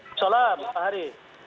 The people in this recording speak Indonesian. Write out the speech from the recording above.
assalamualaikum pak hari